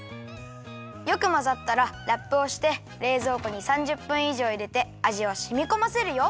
よくまざったらラップをしてれいぞうこに３０ぷんいじょういれてあじをしみこませるよ。